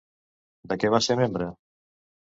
De què va ser membre?